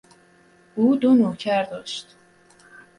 او دو نوکر داشت.